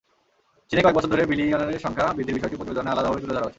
চীনে কয়েক বছর ধরে বিলিয়নিয়ারের সংখ্যা বৃদ্ধির বিষয়টি প্রতিবেদনে আলাদাভাবে তুলে ধরা হয়েছে।